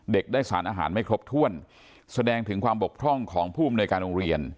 ได้สารอาหารไม่ครบถ้วนแสดงถึงความบกพร่องของผู้อำนวยการโรงเรียน